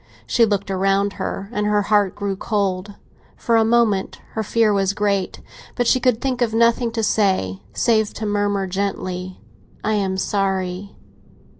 She looked around her, and her heart grew cold; for a moment her fear was great. But she could think of nothing to say, save to murmur gently, "I am sorry."